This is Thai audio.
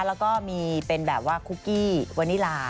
แล้วก็มีเป็นแบบว่าคุกกี้วานิลา